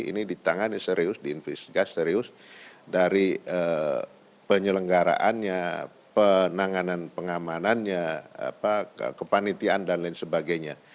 ini ditangani serius diinvestigasi serius dari penyelenggaraannya penanganan pengamanannya kepanitiaan dan lain sebagainya